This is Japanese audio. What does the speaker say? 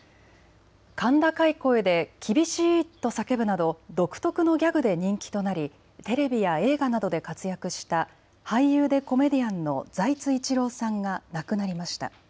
甲高い声でキビシーッと叫ぶなど独特のギャグで人気となりテレビや映画などで活躍した俳優でコメディアンの財津一郎さんが亡くなりました。